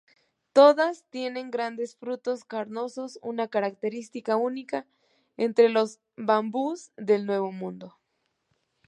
Todas tienen grandes frutos carnosos, una característica única entre los bambúes del Nuevo Mundo.